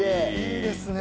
いいですね。